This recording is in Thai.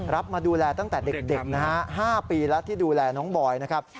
มาดูแลตั้งแต่เด็กนะฮะ๕ปีแล้วที่ดูแลน้องบอยนะครับ